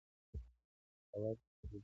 حواس پنځه دي.